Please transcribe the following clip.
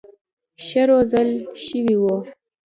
ښه روزل شوي وو.